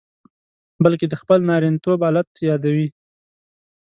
بلکې د خپل نارینتوب آلت یادوي.